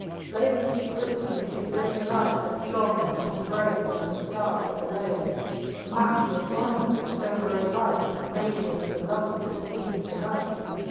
Slowly she grew till she filled the night, And shone On her throne In the sky alone, A matchless, wonderful, silvery light, Radiant and lovely, the Queen of the night.